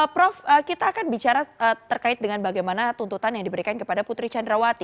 prof kita akan bicara terkait dengan bagaimana tuntutan yang diberikan kepada putri candrawati